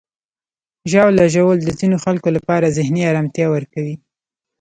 ژاوله ژوول د ځینو خلکو لپاره ذهني آرامتیا ورکوي.